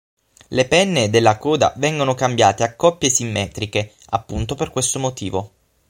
Le penne della coda vengono cambiate a coppie simmetriche, appunto per questo motivo.